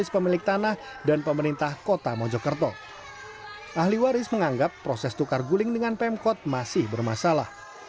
pembangunan kota mojokerto adalah perusahaan yang berpengaruh untuk memperkenalkan anak anak mereka